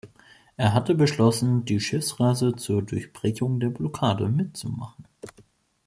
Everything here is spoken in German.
Er hatte beschlossen die Schiffsreise zur Durchbrechung der Blockade mitzumachen.